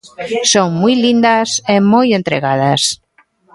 Son moi lindas e moi entregadas.